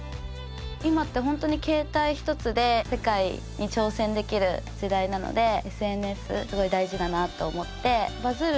今ってホントに携帯一つで世界に挑戦できる時代なのでＳＮＳすごい大事だなって思って。